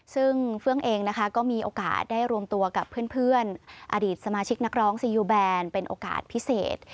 ซึ่งเฟื้องเองนะคะก็มีโอกาสได้รวมตัวกับเพื่อนอดีตสมาชิกนักร้องซียูแบนเป็นโอกาสพิเศษ